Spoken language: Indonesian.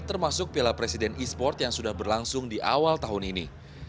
termasuk piala presiden e sport yang sudah berlangsung di awal tahun ini